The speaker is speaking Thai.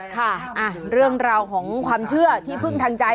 ค่ะเรื่องราวของความเชื่อที่พึ่งทางใจ